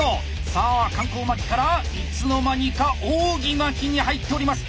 さあ環行巻きからいつの間にか扇巻きに入っております。